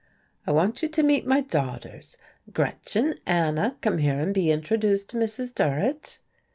"I want you to meet my daughters. Gretchen, Anna, come here and be introduced to Mrs. Durrett."